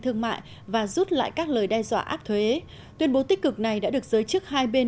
thương mại và rút lại các lời đe dọa áp thuế tuyên bố tích cực này đã được giới chức hai bên